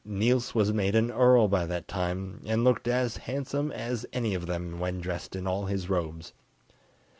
Niels was made an earl by that time, and looked as handsome as any of them when dressed in all his robes.